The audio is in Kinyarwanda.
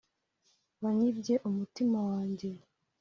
wanyibye umutima wanjye,